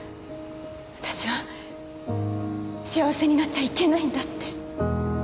私は幸せになっちゃいけないんだって。